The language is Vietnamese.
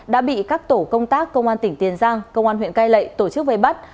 đã bị các tổ công tác công an tỉnh tiền giang công an huyện cai lệ tổ chức vây bắt